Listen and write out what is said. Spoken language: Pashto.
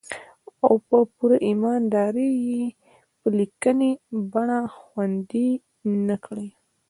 او په پوره ايمان دارۍ يې په ليکني بنه خوندي نه کړي.